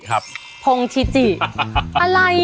มันเป็นอะไร